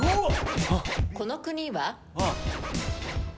この国は？